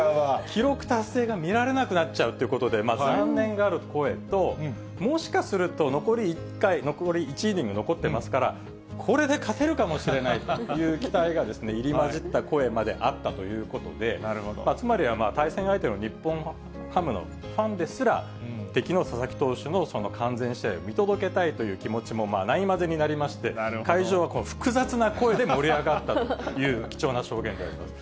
記録達成が見られなくなっちゃうということで、残念がる声と、もしかすると、残り１イニング、残ってますから、これで勝てるかもしれないという期待が入り交じった声まであったということで、つまりはまあ、対戦相手の日本ハムのファンですら、敵の佐々木投手の完全試合を見届けたいという気持ちもない交ぜになりまして、会場は複雑な声で盛り上がったという、貴重な証言であります。